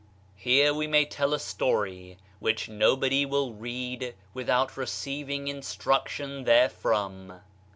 Here we may tell a story which nobody will read without receiving instruction therefrom.